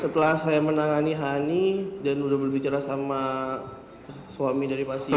setelah saya menangani hanya dan sudah berbicara sama siapa itu